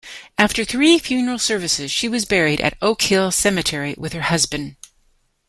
After three funeral services, she was buried at Oak Hill Cemetery with her husband.